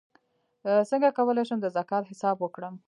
څنګه کولی شم د زکات حساب وکړم